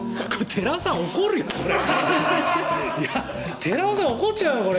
寺尾さん、怒っちゃうよ。